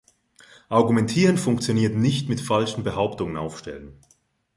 Argumentieren funktioniert nicht mit falschen Behauptungen aufstellen.